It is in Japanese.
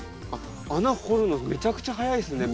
穴掘るのめちゃくちゃはやいですね